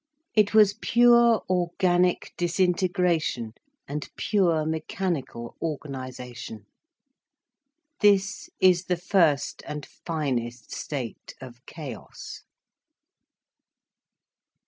It was pure organic disintegration and pure mechanical organisation. This is the first and finest state of chaos.